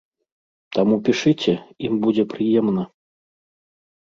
Таму пішыце, ім будзе прыемна.